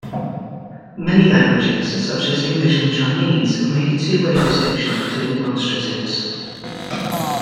Many languages, such as English and Chinese, make a two-way distinction between demonstratives.